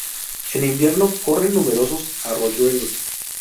En invierno corren numerosos arroyuelos.